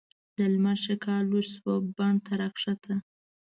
د لمر ښکالو شوه بڼ ته راکښته